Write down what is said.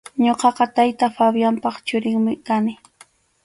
Ñuqaqa tayta Fabianpa churinmi kani.